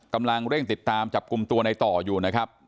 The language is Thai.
กำลังเร่งติดตามจับกลุ่มตัวในต่ออยู่นะครับ